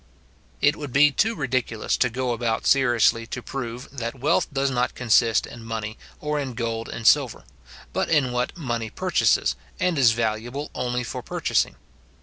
It would be too ridiculous to go about seriously to prove, that wealth does not consist in money, or in gold and silver; but in what money purchases, and is valuable only for purchasing.